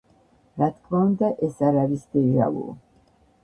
რა თქმა უნდა, ეს არ არის დეჟა ვუ.